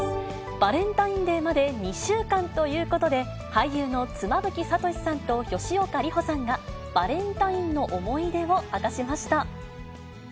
バレンタインデーまで２週間ということで、俳優の妻夫木聡さんと吉岡里帆さんが、バレンタインの思い出を明かしました。